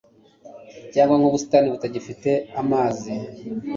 cyangwa nk'ubusitani butagifite amazi